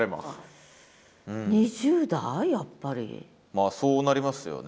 まあそうなりますよね。